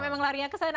memang larinya kesana